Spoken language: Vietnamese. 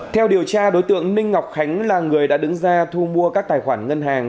theo điều tra đối tượng ninh ngọc khánh là người đã đứng ra thu mua các tài khoản ngân hàng